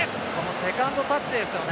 セカンドタッチですよね。